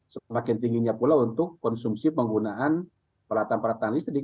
semakin tingginya pula untuk konsumsi penggunaan peralatan peralatan listrik